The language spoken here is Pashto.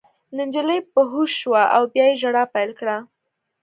نجلۍ په هوښ شوه او بیا یې ژړا پیل کړه